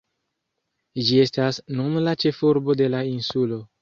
Ĝi estas nun la ĉefurbo de la insulo.